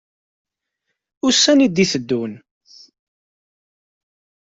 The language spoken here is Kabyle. Ussan i d-iteddun.